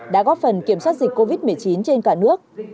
đã góp phần kiểm soát dịch covid một mươi chín trên cả nước